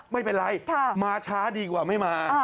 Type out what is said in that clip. ไม่เป็นไรมาช้าดีกว่าไม่มา